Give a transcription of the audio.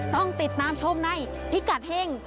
ต้องติดตามชมในพี่กัดเวทย์เห้ง